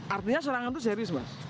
artinya serangan itu serius mas